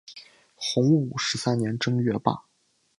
洪武十三年正月罢。